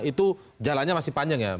itu jalannya masih panjang ya